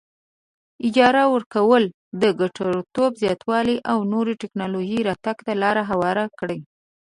اجاره ورکول د ګټورتوب زیاتوالي او نوې ټیکنالوجۍ راتګ ته لار هواره کړي.